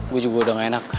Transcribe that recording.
gue juga udah gak enak